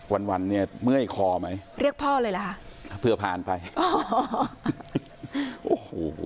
วันวันเนี่ยเมื่อยคอไหมเรียกพ่อเลยเหรอฮะเผื่อผ่านไปอ๋อโอ้โห